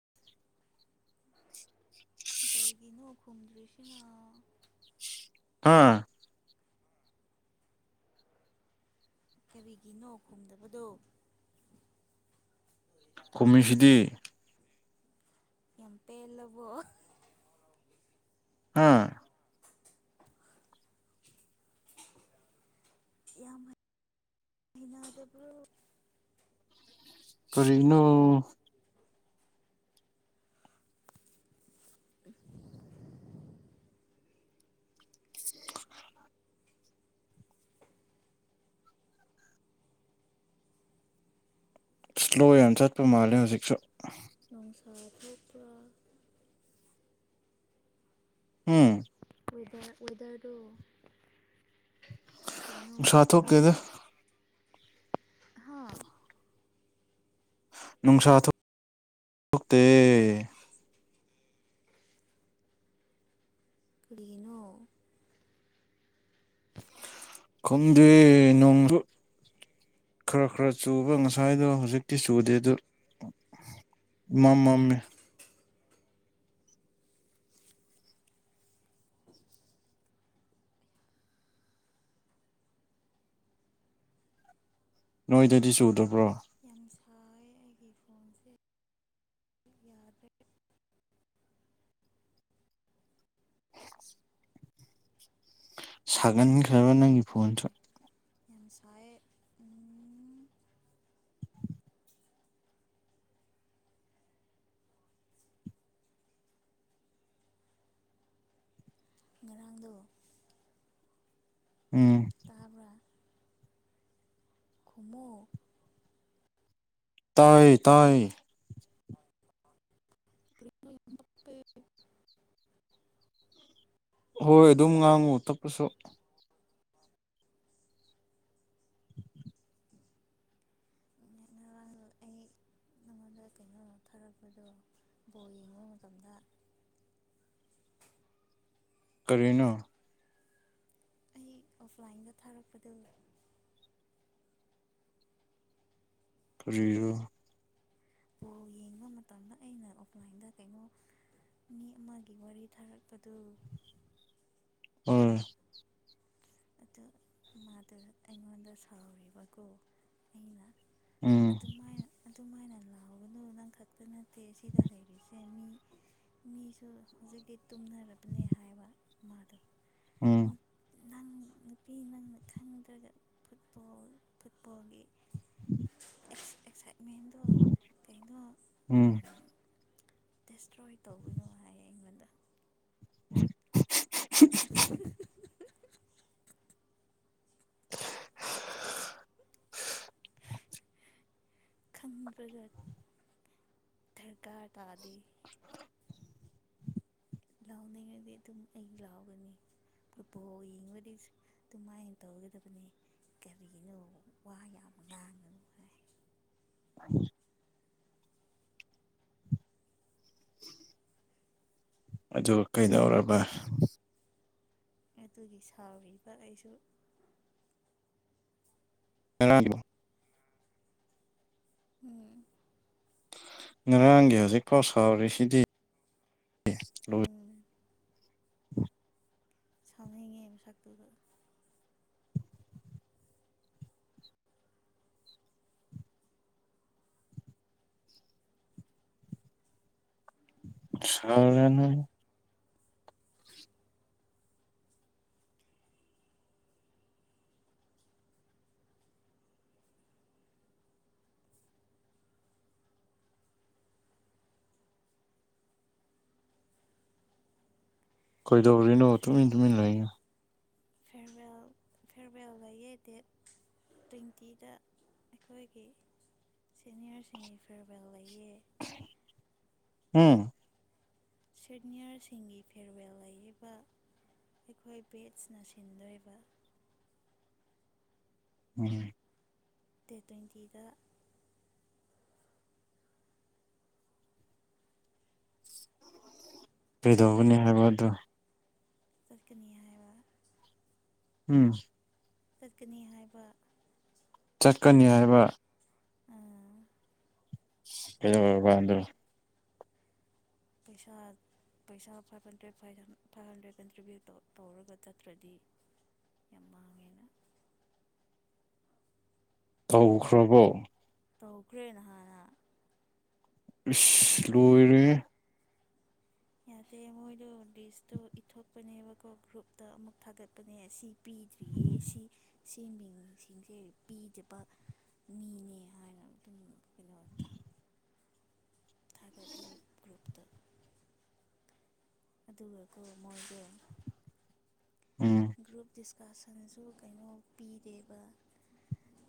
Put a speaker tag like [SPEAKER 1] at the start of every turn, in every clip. [SPEAKER 1] [unintelligible]
[SPEAKER 2] ꯒꯤ ꯅꯣ ꯈꯨꯝꯗ꯭ꯔꯤꯁꯤꯅ
[SPEAKER 1] ꯍꯥꯥ
[SPEAKER 2] ꯀꯔꯤꯒꯤꯅꯣ ꯈꯨꯝꯗꯕꯗꯣ
[SPEAKER 1] ꯀꯃꯤꯁꯤꯗꯤ
[SPEAKER 2] ꯌꯥꯝ ꯄꯦꯜꯂꯕꯣ
[SPEAKER 1] ꯍꯥꯝ
[SPEAKER 2] ꯌꯥꯝ ꯍꯩꯅꯗꯕꯨ
[SPEAKER 1] ꯐꯔꯤ ꯏꯅꯣ
[SPEAKER 2] [unintelligible]
[SPEAKER 1] ꯁ꯭ꯂꯣ ꯌꯥꯝ ꯆꯠꯄ ꯃꯥꯜꯂꯦ ꯍꯧꯖꯤꯛꯁꯨ
[SPEAKER 2] ꯎꯝ ꯁꯥ ꯐꯄꯥ
[SPEAKER 1] ꯎꯝ
[SPEAKER 2] ꯋ ꯋꯦꯗꯔꯗꯣ ꯀꯩꯅꯣ
[SPEAKER 1] ꯠꯇꯣ ꯀꯗ
[SPEAKER 2] ꯍꯥ
[SPEAKER 1] ꯅꯨꯡꯁꯥ ꯊ ꯊꯛꯇꯦ
[SPEAKER 2] ꯀꯅꯣ
[SPEAKER 1] ꯈꯪꯗꯦ ꯅꯣꯡꯁꯨ ꯈꯔ ꯈꯔ ꯆꯨꯕ ꯉꯁꯥꯏꯗꯣ ꯍꯧꯖꯤꯛꯇꯤ ꯆꯨꯗꯦ ꯑꯗꯨ ꯃꯝꯃꯝꯃꯤ ꯅꯣꯏꯗꯗꯤ ꯆꯨꯗꯕ꯭ꯔꯣ
[SPEAKER 2] ꯌꯥꯝ ꯁꯥꯏ ꯑꯩꯒꯤ ꯐꯣꯟꯁꯦ ꯌꯥꯗ꯭ꯔꯦ ꯏꯁꯀ꯭ꯔꯤꯟꯗꯣ
[SPEAKER 1] ꯁꯥꯒꯟꯈ꯭ꯔꯕ ꯅꯪꯒꯤ ꯐꯣꯟꯁꯨ
[SPEAKER 2] ꯌꯦꯟꯁꯥꯏ ꯉꯔꯥꯡꯗꯣ
[SPEAKER 1] ꯎꯝ
[SPEAKER 2] ꯇꯥꯕ꯭ꯔꯥ ꯈꯨꯝꯃꯣ
[SPEAKER 1] ꯇꯥꯏꯌꯦ ꯇꯥꯏ
[SPEAKER 2] [unintelligible]
[SPEAKER 1] ꯍꯣꯏ ꯑꯗꯨꯝ ꯉꯥꯡꯉꯨ ꯇꯞꯄꯁꯨ
[SPEAKER 2] [unintelligible] ꯑꯩ ꯅꯉꯣꯟꯗ ꯀꯩꯅꯣ ꯊꯥꯔꯛꯄꯗꯣ ꯕꯣꯜ ꯌꯦꯡꯕ ꯃꯇꯝꯗ
[SPEAKER 1] ꯀꯔꯤꯅꯣ
[SPEAKER 2] ꯑꯩ ꯑꯣꯐꯂꯥꯏꯟꯗ ꯊꯥꯔꯛꯄꯗꯣ
[SPEAKER 1] ꯀꯔꯤꯔ
[SPEAKER 2] ꯕꯣꯜ ꯌꯦꯡꯕ ꯃꯇꯝꯗ ꯑꯩꯅ ꯑꯣꯐꯂꯥꯏꯟꯗ ꯀꯩꯅꯣ ꯃꯤ ꯑꯃꯒꯤ ꯋꯥꯔꯤ ꯊꯥꯔꯛꯄꯗꯨ
[SPEAKER 1] ꯑꯣꯏ
[SPEAKER 2] ꯑꯗꯨ ꯃꯥꯗꯣ ꯑꯩꯉꯣꯟꯗ ꯁꯥꯎꯔꯤꯕꯀꯣ ꯑꯩꯅ
[SPEAKER 1] ꯎꯝ
[SPEAKER 2] ꯑꯗꯨꯃꯥꯏꯅ ꯑꯗꯨꯃꯥꯏꯅ ꯂꯥꯎꯒꯅꯨ ꯅꯪ ꯈꯛꯇ ꯅꯠꯇꯦ ꯁꯤꯗ ꯂꯩꯔꯤꯁꯦ ꯃꯤ ꯃꯤꯁꯨ ꯍꯨꯖꯤꯛꯇꯤ ꯇꯨꯝꯅꯔꯕꯅꯦ ꯍꯥꯏꯕ ꯃꯥꯗꯣ
[SPEAKER 1] ꯎꯝ
[SPEAKER 2] ꯅꯪ ꯅꯨꯄꯤ ꯅꯪꯅ ꯈꯪꯗ꯭ꯔꯒ ꯐꯨꯠꯕꯣꯜ ꯐꯨꯠꯕꯣꯜꯒꯤ ꯑꯦꯛꯁꯥꯏꯠꯃꯦꯟꯗꯣ ꯀꯩꯅꯣ
[SPEAKER 1] ꯎꯝ
[SPEAKER 2] ꯗꯦꯁꯇ꯭ꯔꯣꯏ ꯇꯧꯒꯅꯨ ꯍꯥꯏꯌꯦ ꯑꯩꯉꯣꯟꯗ
[SPEAKER 1] [unintelligible]
[SPEAKER 2] [unintelligible] ꯈꯪꯗ꯭ꯔꯒ ꯊꯔꯀꯥꯔ ꯇꯥꯗꯦ
[SPEAKER 1] [unintelligible]
[SPEAKER 2] ꯂꯥꯎꯅꯤꯡꯉꯗꯤ ꯑꯗꯨꯝ ꯑꯩ ꯂꯥꯎꯒꯅꯤ ꯐꯨꯠꯕꯣꯜ ꯌꯦꯡꯕꯗꯤ ꯑꯗꯨꯃꯥꯏ ꯇꯧꯒꯗꯕꯅꯤ ꯀꯔꯤꯒꯤꯅꯣ ꯋꯥ ꯌꯥꯝ ꯉꯥꯡꯒꯅꯨ ꯍꯥꯏ
[SPEAKER 1] [unintelligible] ꯑꯗꯨ ꯀꯩꯗꯧꯔꯕ
[SPEAKER 2] ꯑꯗꯨꯒꯤ ꯁꯥꯎꯔꯤꯕ ꯑꯩꯁꯨ
[SPEAKER 1] [unintelligible]
[SPEAKER 2] ꯎꯝ
[SPEAKER 1] ꯉꯔꯥꯡꯒꯤ ꯍꯧꯖꯤꯛꯐꯥꯎ ꯁꯥꯎꯔꯤꯁꯤꯗꯤ
[SPEAKER 2] ꯎꯝ ꯁꯥꯎꯅꯤꯡꯉꯦ ꯃꯁꯛꯇꯨꯗ
[SPEAKER 1] ꯁꯥꯎꯔꯅꯨ ꯀꯩꯗꯧꯔꯤꯅꯣ ꯇꯨꯃꯤꯟ ꯇꯨꯃꯤꯟ ꯂꯩ
[SPEAKER 2] ꯐꯦꯔꯋꯦꯜ ꯐꯦꯔꯋꯦꯜ ꯂꯩꯌꯦ ꯗꯦꯠ ꯇ꯭ꯋꯦꯟꯇꯤꯗ ꯑꯩꯈꯣꯏꯒꯤ ꯁꯦꯅꯤꯌꯔꯁꯤꯡꯒꯤ ꯐꯦꯔꯋꯦꯜ ꯂꯩꯌꯦ
[SPEAKER 1] ꯎꯝ
[SPEAKER 2] ꯁꯦꯅꯤꯌꯔꯁꯤꯡꯒꯤ ꯐꯦꯔꯋꯦꯜ ꯂꯩꯔꯤꯕ ꯑꯩꯈꯣꯏ ꯕꯦꯠꯁꯅ ꯁꯤꯟꯗꯣꯏꯕ
[SPEAKER 1] ꯎꯝ
[SPEAKER 2] ꯗꯦꯠ ꯇꯣꯏꯟꯇꯤꯗ
[SPEAKER 1] ꯀꯩꯗꯧꯒꯅꯤ ꯍꯥꯏꯕ ꯑꯗꯨ
[SPEAKER 2] ꯆꯠꯀꯅꯤ ꯍꯥꯏꯕ
[SPEAKER 1] ꯎꯝ
[SPEAKER 2] ꯀꯠꯀꯅꯤ ꯍꯥꯏꯕ
[SPEAKER 1] ꯆꯠꯀꯅꯤ ꯍꯥꯏꯕ ꯀꯣ ꯋꯥꯗ꯭ꯔꯣ
[SPEAKER 2] ꯄꯩꯁꯥ ꯄꯩꯁꯥ ꯐꯥꯏꯚ ꯍꯟꯗ꯭ꯔꯦꯠꯚ ꯐꯥꯏꯚ ꯍꯟꯗ꯭ꯔꯦꯠ ꯀꯟꯇ꯭ꯔꯤꯕ꯭ꯌꯨꯠ ꯇꯧꯔꯒ ꯆꯠꯇ꯭ꯔꯗꯤ ꯌꯥꯝ ꯃꯥꯡꯉꯦꯅ
[SPEAKER 1] ꯇꯧꯈ꯭ꯔꯕꯣ
[SPEAKER 2] ꯇꯧꯈ꯭ꯔꯦꯅ ꯍꯥꯟꯅ
[SPEAKER 1] ꯏꯁ ꯂꯣꯏꯔꯦ
[SPEAKER 2] ꯌꯥꯗꯦ ꯃꯣꯏꯗꯣ ꯂꯤꯁꯇꯣ ꯏꯊꯣꯛꯄꯅꯦꯕꯀꯣ ꯒ꯭ꯔꯨꯞꯇ ꯑꯃꯨꯛ ꯊꯥꯒꯠꯄꯅꯦ ꯁꯤ ꯄꯤꯗ꯭ꯔꯤꯌꯦ ꯁꯤ ꯁꯤ ꯃꯤꯡꯁꯤꯡꯁꯦ ꯄꯤꯗꯕ ꯃꯤꯅꯦ ꯍꯥꯏꯅ ꯊꯥꯒꯠꯂꯤꯞ ꯒ꯭ꯔꯨꯞꯇ ꯑꯗꯨꯒꯀ ꯃꯣꯏꯒ
[SPEAKER 1] ꯎꯝ
[SPEAKER 2] ꯭ꯔꯨꯞ ꯄ꯭ꯔꯤꯀꯥꯁꯟꯁꯨ ꯀꯩꯅꯣ ꯄꯤꯗꯦꯕ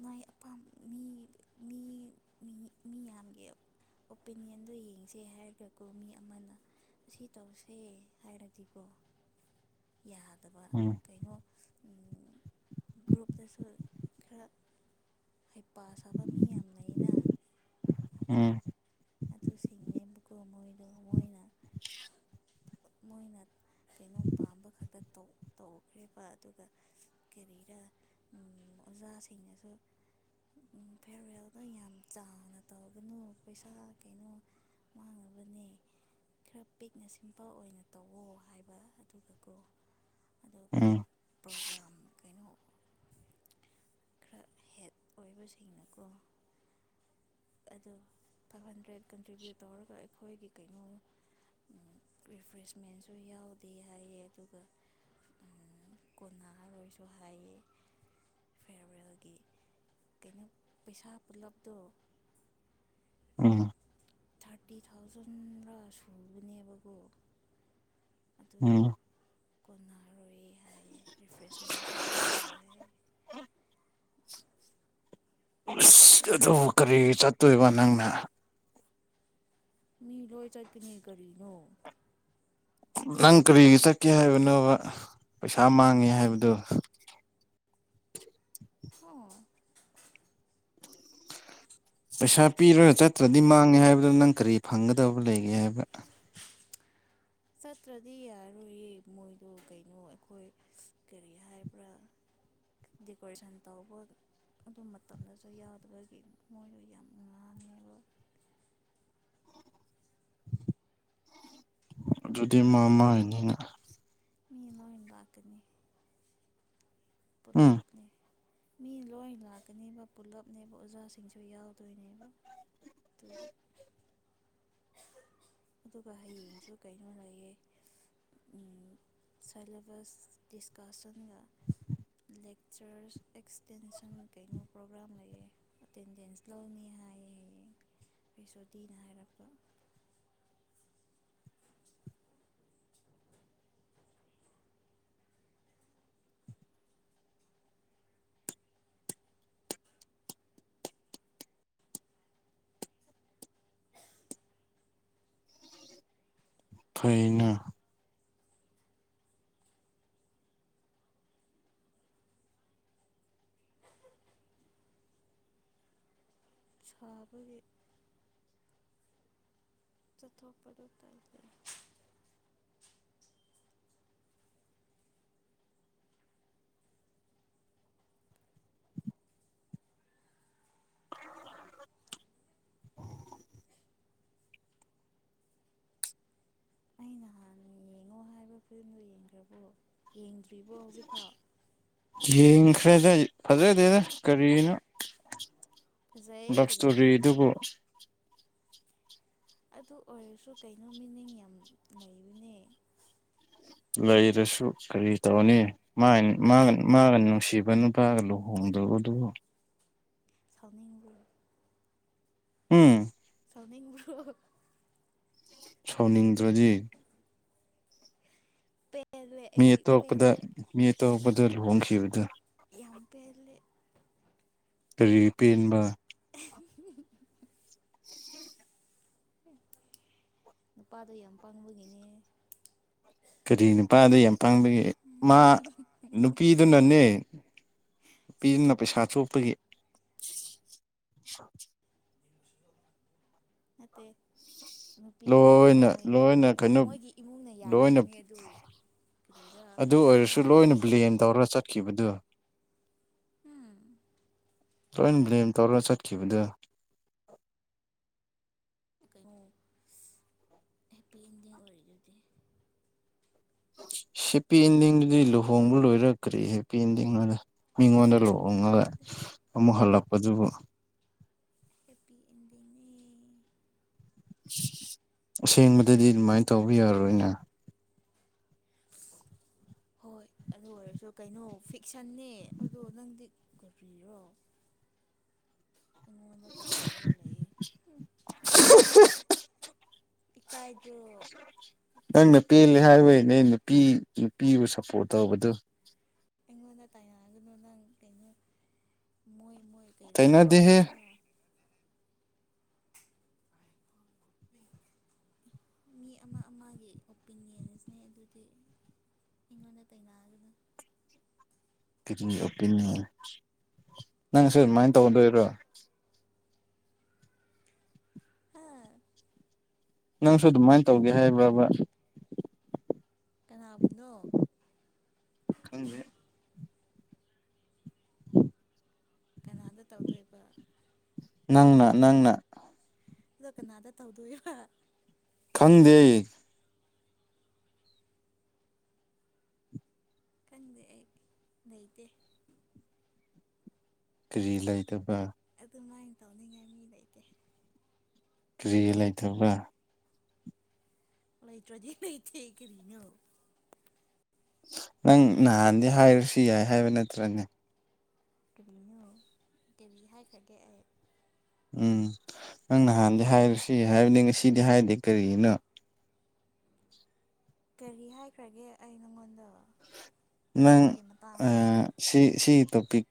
[SPEAKER 2] ꯃꯥꯏ ꯑꯄꯥ ꯃꯤ ꯃꯤ ꯃꯤ ꯌꯥꯝꯒꯤ ꯑꯣꯄꯤꯅꯤꯌꯟꯗꯣ ꯌꯦꯡꯁꯦ ꯍꯥꯏꯔꯒꯀꯣ ꯃꯤ ꯑꯃꯅ ꯁꯤ ꯇꯧꯁꯦ ꯍꯥꯏꯔꯗꯤꯀꯣ ꯌꯥꯗꯕ
[SPEAKER 1] ꯎꯝ
[SPEAKER 2] ꯀꯩꯅꯣ ꯒ꯭ꯔꯨꯞꯇꯁꯨ ꯈꯔ ꯍꯩꯄꯥ ꯁꯥꯕ ꯃꯤ ꯌꯥꯝꯕꯅꯤꯅ
[SPEAKER 1] ꯎꯝ
[SPEAKER 2] ꯑꯗꯨ ꯁꯤꯡꯉꯦꯕꯀꯣ ꯃꯣꯏꯗꯣ ꯃꯣꯏꯅ ꯃꯣꯏꯅ ꯀꯩꯅꯣꯝ ꯄꯥꯝꯕ ꯈꯛꯇ ꯇꯧꯈ꯭ꯔꯦꯕ ꯑꯗꯨꯒ ꯀꯔꯤꯔ ꯑꯣꯖꯥꯁꯤꯡꯅꯁꯨ ꯐꯤꯦꯔꯋꯦꯜꯗꯣ ꯌꯥꯝ ꯆꯥꯎꯅ ꯇꯧꯒꯅꯨ ꯄꯩꯁꯥ ꯀꯩꯅꯣ ꯃꯥꯡꯉꯕꯅꯦ ꯈꯔ ꯄꯤꯛꯅ ꯁꯤꯝꯄꯜ ꯑꯣꯏꯅ ꯇꯧꯋꯣ ꯍꯥꯏꯕ ꯑꯗꯨꯒꯀꯣ ꯑꯗ
[SPEAKER 1] ꯎꯝ
[SPEAKER 2] ꯄꯥꯎ ꯄ꯭ꯔꯒ꯭ꯔꯥꯝ ꯀꯩꯅꯣ ꯈꯔ ꯍꯦꯠ ꯑꯣꯏꯕꯁꯤꯡꯅꯀꯣ ꯑꯗꯣ ꯐꯥꯏꯚ ꯍꯟꯗ꯭ꯔꯦꯠ ꯀꯟꯇ꯭ꯔꯤꯕ꯭ꯌꯨꯠ ꯇꯧꯔꯒ ꯑꯩꯈꯣꯏꯒꯤ ꯀꯩꯅꯣ ꯔꯤꯐ꯭ꯔꯦꯁꯃꯦꯟꯁꯨ ꯌꯥꯎꯗꯦ ꯍꯥꯏꯌꯦ ꯑꯗꯨꯒ ꯀꯣꯟꯅꯔꯔꯁꯨ ꯍꯥꯏꯌꯦ ꯐꯦꯔꯋꯦꯜꯒꯤ ꯀꯩꯅꯣ ꯄꯩꯁꯥ ꯄꯨꯂꯞꯇꯣ
[SPEAKER 1] ꯎꯝ
[SPEAKER 2] ꯊꯥꯔꯇꯤ ꯊꯥꯎꯖꯟꯔ ꯁꯨꯕꯅꯦꯕꯀꯣ ꯑꯗꯨꯒ
[SPEAKER 1] ꯎꯝ
[SPEAKER 2] ꯀꯣꯟꯅꯔꯣꯏ ꯍꯥꯏ ꯔꯤꯐ꯭ꯔꯦꯁꯃꯦꯟꯁꯨ ꯌꯥꯎꯔꯣꯏ ꯍꯥꯏ
[SPEAKER 1] ꯑꯗꯨꯕꯨ ꯀꯔꯤ ꯆꯠꯇꯣꯏꯕ ꯅꯪꯅ
[SPEAKER 2] ꯃꯤ ꯂꯣꯏ ꯆꯠꯀꯤꯅꯤ ꯀꯔꯤꯅꯣ
[SPEAKER 1] ꯅꯪ ꯀꯔꯤꯒꯤ ꯆꯠꯀꯦ ꯍꯥꯏꯕꯅꯣꯕ ꯄꯩꯁꯥ ꯃꯥꯡꯉꯦ ꯍꯥꯏꯕꯗꯨꯣ
[SPEAKER 2] ꯑꯣ
[SPEAKER 1] ꯄꯩꯁꯥ ꯄꯤꯔꯒ ꯆꯠꯇ꯭ꯔꯗꯤ ꯃꯥꯡꯉꯦ ꯍꯥꯏꯕꯗꯨ ꯅꯪ ꯀꯔꯤ ꯐꯪꯒꯗꯕ ꯂꯩꯒꯦ ꯍꯥꯏꯕ
[SPEAKER 2] ꯆꯠꯇ꯭ꯔꯗꯤ ꯌꯥꯔꯣꯏꯌꯦ ꯃꯣꯏꯗꯣ ꯀꯩꯅꯣ ꯑꯩꯈꯣꯏ ꯀꯔꯤ ꯍꯥꯏꯕ꯭ꯔꯥ ꯗꯦꯀꯣꯔꯦꯁꯟ ꯇꯧꯕ ꯑꯗꯨ ꯃꯇꯝꯗꯁꯨ ꯌꯥꯎꯗꯕꯒꯤ ꯃꯣꯏꯗꯣ ꯌꯥꯝ ꯉꯥꯡꯉꯦꯕ
[SPEAKER 1] ꯑꯗꯨꯗꯤ ꯃꯥ ꯃꯥ ꯍꯥꯏꯅꯤꯅ
[SPEAKER 2] ꯃꯤ ꯅꯟ ꯇꯥꯛꯀꯅꯤ
[SPEAKER 1] ꯎꯝ
[SPEAKER 2] ꯄꯨꯜꯂꯞꯅꯦ ꯃꯤ ꯂꯣꯏ ꯂꯥꯛꯀꯅꯦꯕ ꯄꯨꯂꯞꯅꯦꯕ ꯑꯣꯖꯥꯁꯤꯡꯁꯨ ꯌꯥꯎꯗꯣꯏꯅꯦꯕ ꯑꯗꯨꯒꯤ ꯑꯗꯨꯒ ꯍꯌꯦꯡꯁꯨ ꯀꯩꯅꯣ ꯂꯩꯌꯦꯦ ꯁꯦꯂꯦꯕꯁ ꯗꯤꯁꯀꯁꯟꯒ ꯂꯦꯛꯆꯔꯁ ꯑꯦꯛꯁꯇꯦꯟꯁꯟ ꯀꯩꯅꯣ ꯄ꯭ꯔꯣꯒ꯭ꯔꯥꯝ ꯂꯩꯑꯦ ꯑꯦꯇꯦꯟꯗꯦꯟꯁ ꯂꯧꯅꯤ ꯍꯥꯏꯌꯦ ꯍꯌꯦꯡ ꯑꯩ ꯁꯣꯗꯤꯤꯅ ꯍꯥꯏꯔꯛꯄ
[SPEAKER 1] ꯐꯩꯅ
[SPEAKER 2] ꯁꯥꯥꯕꯒꯤ ꯆꯊꯄꯗ ꯇ ꯑ ꯅꯍꯥꯟꯅ ꯌꯦꯡꯉꯣ ꯍꯥꯏꯕ ꯐꯤꯂꯝꯗꯨ ꯌꯦꯡꯗ꯭ꯔꯕꯨ ꯌꯦꯡꯗ꯭ꯔꯤꯕꯣ ꯍꯧꯖꯤꯛꯐꯥꯎ
[SPEAKER 1] ꯐꯖꯗꯦꯅꯦ ꯀꯔꯤꯅꯣ
[SPEAKER 2] ꯐꯖꯩ
[SPEAKER 1] ꯂꯞ
[SPEAKER 2] ꯀꯔꯤ
[SPEAKER 1] ꯏꯁꯇꯣꯔꯤ ꯑꯗꯨꯕꯨ
[SPEAKER 2] ꯑꯗꯨ ꯑꯣꯏꯔꯁꯨ ꯀꯩꯅꯣ ꯃꯤꯅꯤꯡ ꯌꯥꯝ ꯂꯩꯕꯅꯦ
[SPEAKER 1] ꯂꯩꯔꯁꯨ ꯀꯔꯤ ꯇꯧꯅꯤ ꯃꯥꯒ ꯅꯨꯡꯁꯤꯕ ꯅꯨꯄꯥꯒ ꯂꯨꯍꯣꯡꯗꯕꯗꯨꯕꯨ
[SPEAKER 2] ꯁꯃꯤꯒꯤ
[SPEAKER 1] ꯎꯝ
[SPEAKER 2] ꯇꯧꯅꯤꯡꯔꯣ
[SPEAKER 1] ꯁꯧꯅꯤꯗ꯭ꯔꯖꯤ
[SPEAKER 2] ꯄꯦꯜꯂꯦ
[SPEAKER 1] ꯃꯤ
[SPEAKER 2] ꯑꯩꯗꯤ
[SPEAKER 1] ꯑꯇꯣꯄꯗ
[SPEAKER 2] ꯄꯦꯜꯂꯦ
[SPEAKER 1] ꯃꯤ ꯑꯇꯣꯞꯄꯗ ꯂꯨꯍꯣꯡꯈꯤꯕꯗꯨ
[SPEAKER 2] ꯌꯥꯝ ꯄꯦꯜꯂꯦ
[SPEAKER 1] ꯀꯔꯤ ꯄꯦꯟꯕ
[SPEAKER 2] [unintelligible] ꯅꯨꯄꯥꯗꯣ ꯌꯥꯝ ꯄꯥꯡꯕꯒꯤꯅꯦ
[SPEAKER 1] ꯀꯔꯤ ꯅꯨꯄꯥꯗ ꯌꯥꯝ ꯃꯇꯥꯡꯗꯒꯤ ꯃꯥ ꯅꯨꯄꯤꯗꯨꯅꯅꯦ ꯅꯨꯄꯤꯗꯨꯅ ꯄꯩꯁꯥ ꯊꯣꯛꯄꯒꯤ
[SPEAKER 2] ꯅꯇꯦ ꯅꯨꯄꯤ ꯀꯩꯅꯣ
[SPEAKER 1] ꯂꯣꯏꯅ
[SPEAKER 2] ꯃꯣꯏꯒꯤ
[SPEAKER 1] ꯂꯣꯏꯅ ꯀꯩꯅꯣ
[SPEAKER 2] ꯃꯣꯏꯒꯤ ꯏꯃꯨꯡꯅ
[SPEAKER 1] ꯂꯣꯏꯅ
[SPEAKER 2] ꯌꯥꯕꯒꯤꯅꯦ ꯑꯗꯨ ꯀꯔꯤꯔ ꯅꯪꯁꯨ
[SPEAKER 1] ꯎꯠꯈꯤꯕꯗꯨ
[SPEAKER 2] ꯎꯝ
[SPEAKER 1] ꯂꯣꯏꯅ ꯕ꯭ꯂꯦꯝ ꯇꯧꯔꯒ ꯆꯠꯈꯤꯕꯗꯨ
[SPEAKER 2] ꯀꯩꯅꯣ ꯍꯦꯞꯄꯤ ꯏꯟꯗꯤꯡ ꯑꯣꯏꯔꯤꯗꯨꯗꯤ
[SPEAKER 1] ꯍꯞꯄꯤ ꯏꯟꯗꯤꯡꯗꯨꯗꯤ ꯂꯨꯍꯣꯡꯕ ꯂꯣꯏꯔꯛꯈ꯭ꯔꯤ ꯍꯦꯄꯤ ꯏꯟꯗꯤꯡꯔ ꯃꯤꯉꯣ
[SPEAKER 2] ꯍꯦꯄꯤ
[SPEAKER 1] ꯂꯣ
[SPEAKER 2] ꯑꯦꯟꯗꯤꯡꯅꯦ ꯑꯗ
[SPEAKER 1] ꯏꯦ ꯃꯣ ꯍꯜꯂ ꯍꯧꯖꯕꯨ
[SPEAKER 2] ꯍꯦꯄꯤ ꯑꯦꯟꯗꯤꯡꯅꯦ
[SPEAKER 1] ꯑꯁꯦꯡꯕꯗꯗꯤ ꯑꯗꯨꯃꯥꯏꯅ ꯇꯧꯕ ꯌꯥꯔꯔꯣꯏꯅꯦ
[SPEAKER 2] ꯍꯣꯏ ꯑꯗꯨ ꯑꯣꯏꯔꯁꯨ ꯀꯩꯅꯣ ꯐꯤꯛꯁꯟꯅꯦ ꯑꯗꯨꯗꯣ ꯅꯪꯗꯤ ꯀꯨꯕꯤꯔꯣ
[SPEAKER 1] [unintelligible]
[SPEAKER 2] ꯑꯦꯀꯥꯏꯗ꯭ꯔꯣ
[SPEAKER 1] ꯄꯦꯜꯂꯤ ꯍꯥꯏꯕꯩꯅꯦ ꯅꯨꯄꯤ ꯅꯨꯄꯤꯕꯨ ꯁꯞꯄꯣꯔꯠ ꯇꯧꯕꯗꯨ
[SPEAKER 2] ꯑꯩꯉꯣꯟꯗ ꯇꯥꯏꯉꯑꯒꯅ ꯅꯪ ꯀꯩꯅꯣ ꯃꯣꯏ ꯃꯣꯏ ꯀꯔꯤ ꯀꯔꯤ
[SPEAKER 1] ꯀꯥꯏꯩꯅꯗꯦꯍꯦ
[SPEAKER 2] ꯍꯥꯏꯕ꯭ꯔꯥ ꯃꯤ ꯑꯃ ꯑꯃꯒꯤ ꯑꯣꯄꯤꯅꯤꯌꯟꯁꯤꯅꯦ ꯑꯗꯨꯗꯤ ꯑꯩꯉꯣꯟꯗ ꯇꯦꯡꯒꯅ
[SPEAKER 1] ꯀꯔꯤ ꯑꯣꯄꯤꯅꯤ ꯅꯪ ꯁꯤ ꯑꯗꯨꯃꯥꯏꯅ ꯇꯧꯒꯗꯣꯔꯤꯕ꯭ꯔꯣ
[SPEAKER 2] ꯍꯥ
[SPEAKER 1] ꯅꯪꯁꯨ ꯑꯗꯨꯃꯥꯏꯅ ꯇꯧꯒꯦ ꯍꯥꯏꯕ꯭ꯔꯕ
[SPEAKER 2] ꯀꯅꯥ
[SPEAKER 1] ꯈꯪ꯭ꯔꯦ
[SPEAKER 2] ꯀꯅꯥꯗ ꯇꯧꯗꯣꯏꯕ
[SPEAKER 1] ꯅꯪꯅ ꯅꯪꯅ
[SPEAKER 2] ꯑꯗꯣ ꯀꯅꯥꯗ ꯇꯧꯗꯣꯔꯤꯕ
[SPEAKER 1] ꯈꯪꯗꯦ
[SPEAKER 2] ꯈꯪꯗꯦ ꯑꯩ ꯂꯩꯇꯦ
[SPEAKER 1] ꯀꯔꯤ ꯂꯩꯇꯕ
[SPEAKER 2] ꯑꯗꯨꯃꯥꯏꯅ ꯇꯧꯅꯤꯡꯉꯥꯏ ꯃꯤ ꯂꯩꯇꯦ
[SPEAKER 1] ꯀꯔꯤ ꯂꯩꯇꯕ꯭ꯔ
[SPEAKER 2] ꯂꯩꯇ꯭ꯔꯗꯤ ꯂꯩ ꯏ ꯊ ꯀꯅ
[SPEAKER 1] ꯅꯪ ꯅꯍꯥꯟꯗꯤ ꯍꯥꯏꯔꯁꯨ ꯌꯥꯏ ꯍꯥꯏꯕ ꯅꯠꯇ꯭ꯔꯅꯦ
[SPEAKER 2] ꯀꯕꯤꯅꯣ ꯀꯦꯕꯤ ꯍꯥꯏꯈ꯭ꯔꯒꯦ ꯑꯩ
[SPEAKER 1] ꯎꯝ ꯅꯪ ꯅꯍꯥꯟꯗꯤ ꯍꯥꯏꯔꯨ ꯁꯤ ꯍꯥꯏꯕꯅꯤ ꯉ ꯁꯤꯗꯤ ꯍꯥꯏꯗꯤꯦ ꯀꯔꯤꯒꯤꯅꯣ
[SPEAKER 2] ꯀꯔꯤ ꯍꯥꯏꯈ꯭ꯔꯒꯦ ꯑꯩ ꯅꯪꯉꯣꯟꯗ
[SPEAKER 1] ꯅꯪ
[SPEAKER 2] ꯁꯤꯒꯤ
[SPEAKER 1] ꯑ
[SPEAKER 2] ꯃꯇꯥꯡꯗ
[SPEAKER 1] ꯁꯤ ꯁꯤ ꯇꯣꯄꯤꯛ